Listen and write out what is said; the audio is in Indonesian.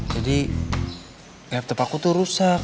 jadi laptop aku tuh rusak